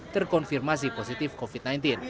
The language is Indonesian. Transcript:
terkonfirmasi positif covid sembilan belas